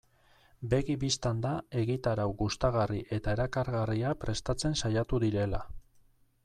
Begi bistan da egitarau gustagarri eta erakargarria prestatzen saiatu direla.